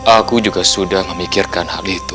aku juga sudah memikirkan hal itu